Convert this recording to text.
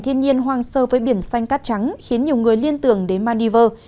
thiên nhiên hoang sơ với biển xanh cát trắng khiến nhiều người liên tưởng đến maldives